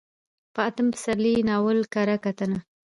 په اتم پسرلي ناول کره کتنه: